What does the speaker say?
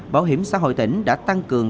bảo hiểm xã hội tỉnh đã tăng cường